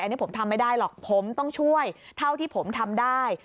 อันนี้ผมทำไม่ได้หรอกผมต้องช่วยเท่าที่ผมทำได้